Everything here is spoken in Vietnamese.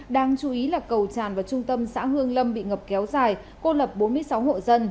đáng chú ý là cầu tràn vào trung tâm xã hương lâm bị ngập kéo dài cô lập bốn mươi sáu hộ dân